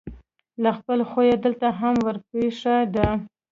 له خپل خویه دلته هم ورپېښه ده.